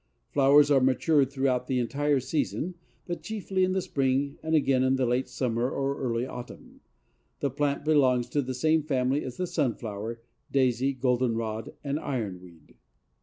Flowers are matured throughout the entire season, but chiefly in the spring and again in the late summer or early autumn. The plant belongs to the same family as the sunflower, daisy, goldenrod and iron weed.